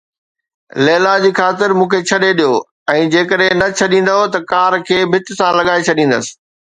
ليلا جي خاطر مون کي ڇڏي ڏيو ۽ جيڪڏهن نه ڇڏيندؤ ته ڪار کي ڀت سان لڳائي ڇڏيندس.